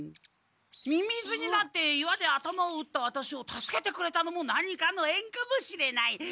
ミミズになって岩で頭を打ったワタシを助けてくれたのも何かのえんかもしれない。